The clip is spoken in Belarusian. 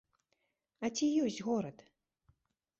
А ці ёсць горад?